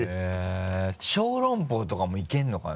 小籠包とかもいけるのかな？